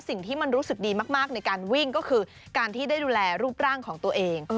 สิ่งที่มันรู้สึกดีมากในการวิ่งก็คือการที่ได้ดูแลรูปร่างของตัวเอง